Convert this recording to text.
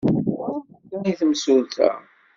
Ɣremt kan i temsulta.